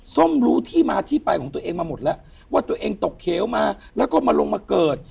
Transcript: ส้มรู้ที่มาที่ไปของตัวเองมาหมดแล้วว่าตัวเองตกเขียวมาแล้วก็มาลงมาเกิด